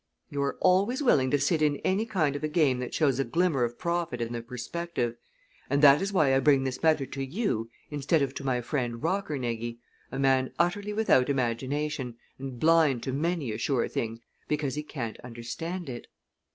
You are always willing to sit in any kind of a game that shows a glimmer of profit in the perspective, and that is why I bring this matter to you instead of to my friend Rockernegie, a man utterly without imagination and blind to many a sure thing because he can't understand it."